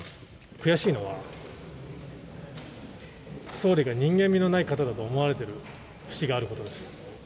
悔しいのは、総理が人間味のない方だと思われている節があることです。